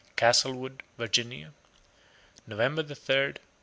CASTLEWOOD, VIRGINIA, November 3, 1778.